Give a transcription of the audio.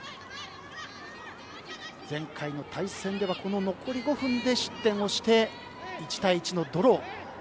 前回の対戦では残り５分で失点をして１対１のドロー。